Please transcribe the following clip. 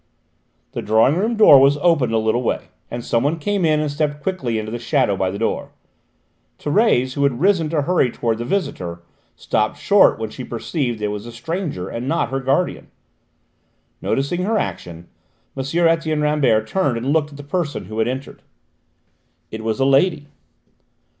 The drawing room door was opened a little way, and someone came in and stepped quickly into the shadow by the door. Thérèse, who had risen to hurry towards the visitor, stopped short when she perceived that it was a stranger and not her guardian. Noticing her action, M. Etienne Rambert turned and looked at the person who had entered. It was a lady.